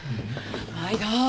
まいど。